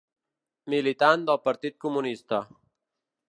Militant del Partit Comunista.